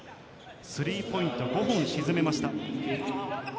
スリーポイントを５本沈めました。